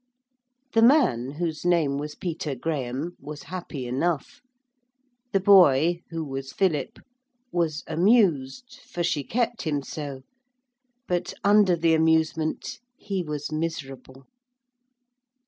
The man, whose name was Peter Graham, was happy enough; the boy, who was Philip, was amused for she kept him so but under the amusement he was miserable.